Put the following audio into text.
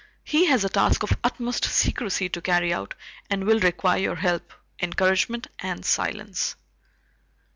"He has a task of utmost secrecy to carry out and will require your help, encouragement, and silence."